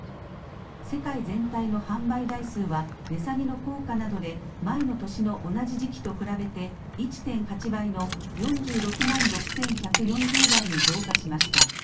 世界全体の販売台数は値下げの効果などで前の年の同じ時期と比べて１．８倍の４６万６１４０台に増加しました。